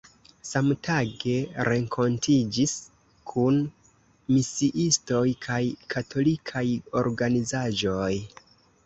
Samtage renkontiĝis kun misiistoj kaj katolikaj organizaĵoj.